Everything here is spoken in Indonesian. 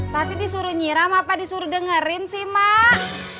tati disuruh nyiram apa disuruh dengerin sih mak